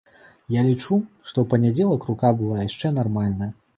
Я лічу, што ў панядзелак рука была яшчэ нармальная.